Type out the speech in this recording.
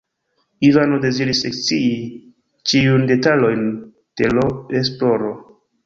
Ivano deziris ekscii ĉiujn detalojn de l' esploro.